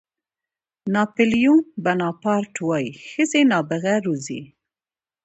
ناپلیون بناپارټ وایي ښځې نابغه روزي.